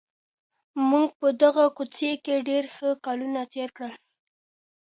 موږ په دغه کوڅې کي ډېر ښه کلونه تېر کړل.